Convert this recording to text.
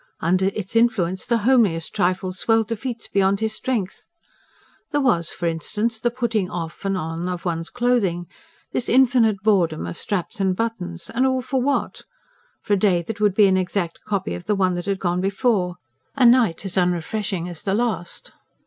Under its influence the homeliest trifles swelled to feats beyond his strength. There was, for instance, the putting on and off one's clothing: this infinite boredom of straps and buttons and all for what? For a day that would be an exact copy of the one that had gone before, a night as unrefreshing as the last.